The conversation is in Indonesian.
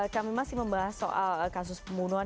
kami masih membahas soal kasus pembunuhan